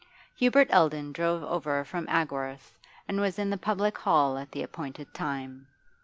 Hubert Eldon drove over from Agworth, and was in the Public Hall at the appointed time.